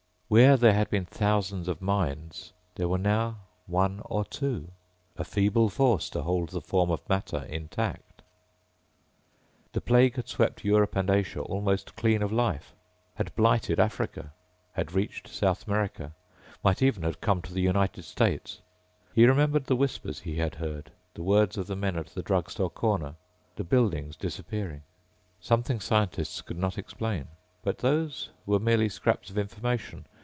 Where there had been thousands of minds there now were one or two. A feeble force to hold the form of matter intact. The plague had swept Europe and Asia almost clean of life, had blighted Africa, had reached South America ... might even have come to the United States. He remembered the whispers he had heard, the words of the men at the drugstore corner, the buildings disappearing. Something scientists could not explain. But those were merely scraps of information.